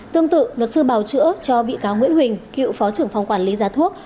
tương tự luật sư bào chữa cho bị cáo nguyễn huỳnh cựu phó trưởng phòng quản lý giá thuốc